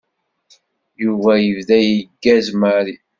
Yuba yebda yeggaz Mary.